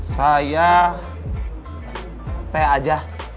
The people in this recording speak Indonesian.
saya teh aja